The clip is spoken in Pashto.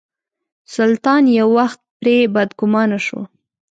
سلطان یو وخت پرې بدګومانه شو.